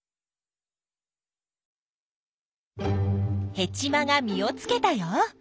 ヘチマが実をつけたよ。